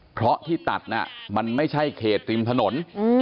เพราะที่ตัดมันไม่ใช่เขตริมถนน